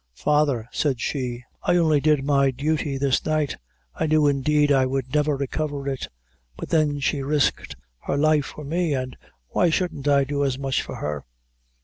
"Father," said she, "I only did my duty this night. I knew, indeed, I would never recover it but then she risked her life for me, an' why shouldn't I do as much for her?"